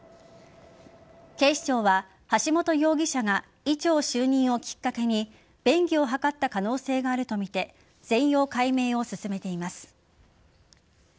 警視庁は、橋本容疑者が医長就任をきっかけに便宜を図った可能性があるとみて全容解明を進めています。